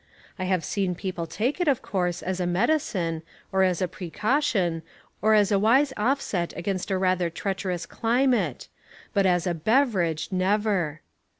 I have seen people take it, of course, as a medicine, or as a precaution, or as a wise offset against a rather treacherous climate; but as a beverage, never.